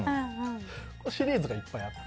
そのシリーズがいっぱいあって。